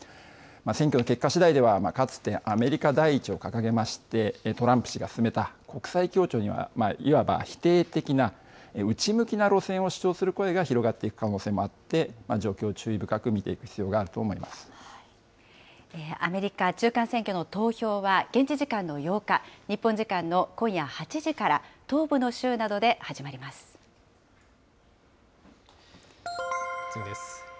選挙の結果しだいでは、かつてアメリカ第１を掲げましてトランプ氏が進めた国際協調にはいわば否定的な、内向きな路線を主張する声が広がっていく可能性もあって、状況を注意深く見ていく必要があアメリカ中間選挙の投票は、現地時間の８日、日本時間の今夜８時から、東部の州などで始まり次です。